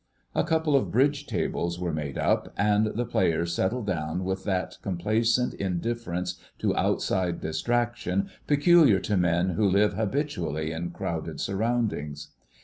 A couple of bridge tables were made up, and the players settled down with that complacent indifference to outside distraction peculiar to men who live habitually in crowded surroundings.